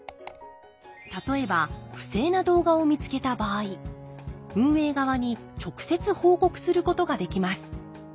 例えば不正な動画を見つけた場合運営側に直接報告することができます。